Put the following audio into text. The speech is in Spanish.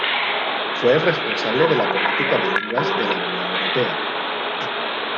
Fue el responsable de la política de lenguas de la Unión Europea.